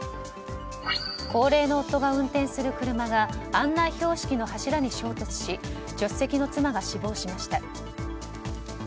高齢の夫が運転する車が案内標識の柱に衝突し助手席の妻が死亡しました。